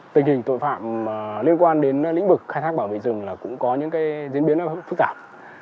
tình hình tội phạm liên quan đến lĩnh vực khai thác bảo vệ rừng cũng có những diễn biến phức tạp